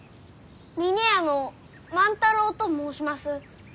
峰屋の万太郎と申します。